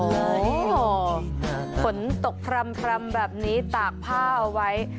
วันนี้ฝนตกโอ้โหฝนตกพร่ำพร่ำแบบนี้ตากผ้าเอาไว้